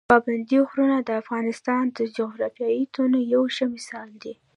پابندي غرونه د افغانستان د جغرافیوي تنوع یو ښه مثال دی.